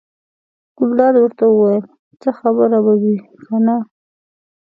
ګلداد ورته وویل: څه خبره به وي کنه.